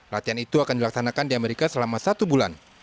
latihan itu akan dilaksanakan di amerika selama satu bulan